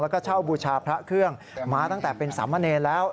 แล้วก็เช่าบูชาพระเครื่องมาตั้งแต่เป็นสามเณรแล้ว